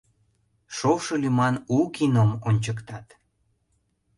«Шошо» лӱман у кином ончыктат.